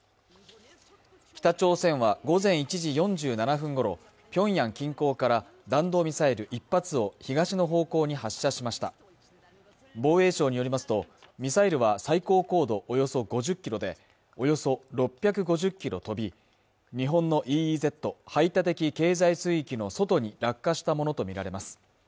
北朝鮮は午前１時４７分ごろビョンヤン近郊から弾道ミサイル１発を東の方向に発射しました防衛省によりますとミサイルは最高高度およそ５０キロでおよそ６５０キロ飛び日本のＥＥＺ＝排他的経済水域の外に落下したものと見られます